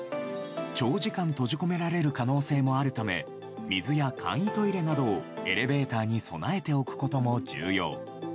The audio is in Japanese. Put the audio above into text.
長時間、閉じ込められる可能性もあるため水や簡易トイレなどをエレベーターに備えておくことも重要。